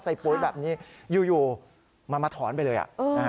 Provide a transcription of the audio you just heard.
ปุ๋ยแบบนี้อยู่มันมาถอนไปเลย